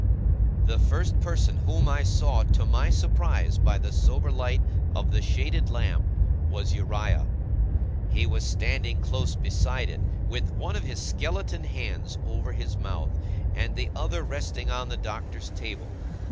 The first person whom I saw, to my surprise, by the sober light of the shaded lamp, was Uriah. He was standing close beside it, with one of his skeleton hands over his mouth, and the other resting on the Doctor's table.